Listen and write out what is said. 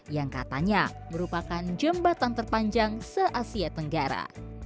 yang katanya merupakan jembatan terpanjang se asia tenggara